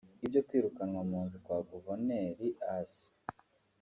Ibyo kwirukanwa mu nzu kwa Guvonr Ace